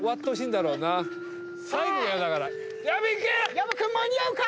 薮君間に合うか⁉